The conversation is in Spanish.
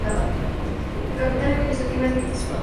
La capital administrativa es Livingston.